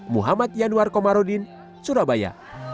muhammad yanuar komarudin surabaya